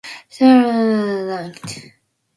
Stores owned by Germans were ransacked.